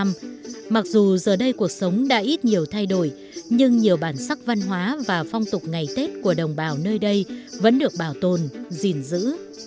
năm mặc dù giờ đây cuộc sống đã ít nhiều thay đổi nhưng nhiều bản sắc văn hóa và phong tục ngày tết của đồng bào nơi đây vẫn được bảo tồn gìn giữ